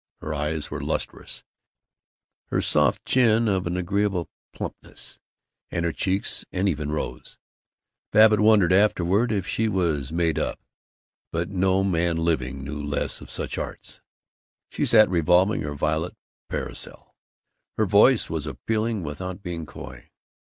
Her eyes were lustrous, her soft chin of an agreeable plumpness, and her cheeks an even rose. Babbitt wondered afterward if she was made up, but no man living knew less of such arts. She sat revolving her violet parasol. Her voice was appealing without being coy.